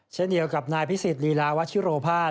เช่นเดียวกับนายพิษศิษฐ์เรลาวัชโชรภาส